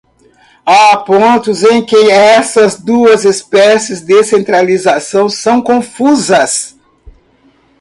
Há pontos em que essas duas espécies de centralização são confusas.